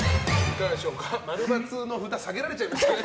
○×の札下げられちゃいましたね。